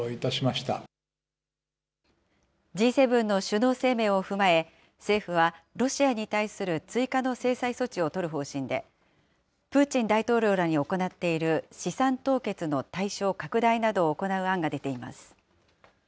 Ｇ７の首脳声明を踏まえ、政府は、ロシアに対する追加の制裁措置を取る方針で、プーチン大統領らに行っている資産凍結の対象拡大などを行う案が出ています。